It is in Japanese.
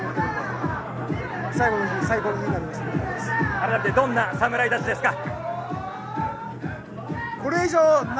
改めてどんな侍たちですか。